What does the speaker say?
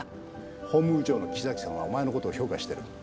法務部長の木崎さんはお前のことを評価してる。